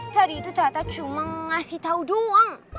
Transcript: tadi itu tata cuma ngasih tau doang